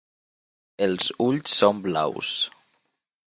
Els ulls són blaus.